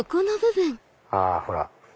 あほら！